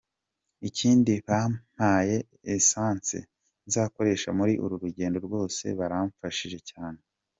Ikindi bampaye essence nzakoresha muri uru rugendo rwose, baramfashije cyane.